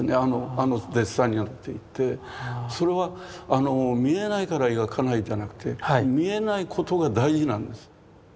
あのデッサンになっていってそれは見えないから描かないじゃなくて見えないことが大事なんです。